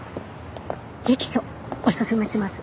直訴お勧めします。